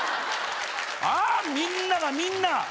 ああみんながみんな！